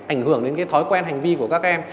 ảnh hưởng đến cái thói quen hành vi của các em